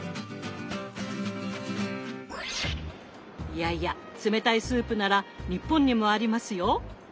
いやいや冷たいスープなら日本にもありますよ。